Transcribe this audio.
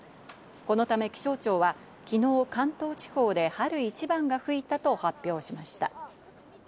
このため気象庁は昨日、関東地方で春一番が吹いたと発表しました。